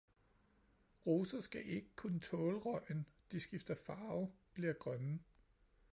Roser skal ikke kunne tåle røgen, de skifter farve, bliver grønne